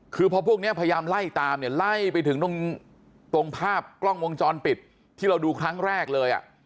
คือพอพวกนี้พยายามไล่ตามเนี่ยไล่ไปถึงตรงภาพกล้องวงจรปิดที่เราดูครั้งแรกเลยอ่ะ